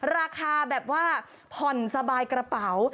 ราคาแบบว่าผ่อนสบายกระเป๋า